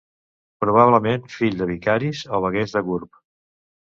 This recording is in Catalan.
Probablement fill dels vicaris o veguers de Gurb.